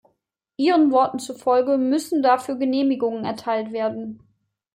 Ihren Worten zufolge müssen dafür Genehmigungen erteilt werden.